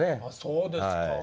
そうですか。